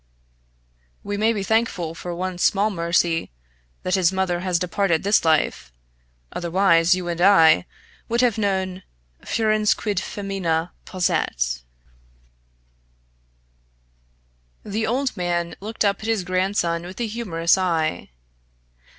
We may be thankful for one small mercy, that his mother has departed this life! otherwise you and I would have known furens quid femina posset!" The old man looked up at his grandson with a humorous eye.